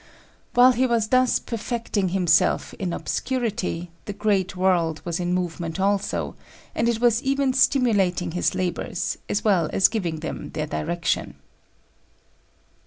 While he was thus perfecting himself in obscurity, the great world was in movement also, and it was even stimulating his labors, as well as giving them their direction.